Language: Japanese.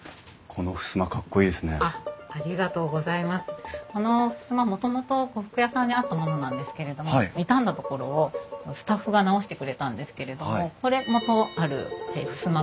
このふすまもともと呉服屋さんにあったものなんですけれども傷んだ所をスタッフが直してくれたんですけれどもこれ元あるふすま